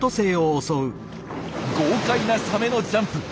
豪快なサメのジャンプ！